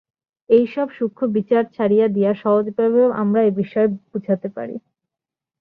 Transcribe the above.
এই সব সূক্ষ্ম বিচার ছাড়িয়া দিয়া সহজভাবেও আমরা এ-বিষয় বুঝাইতে পারি।